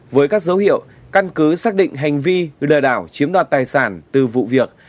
với các dấu hiệu căn cứ xác định hành vi lừa đảo chiếm đoạt tài sản từ vụ việc